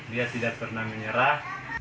dia tidak pernah menyerah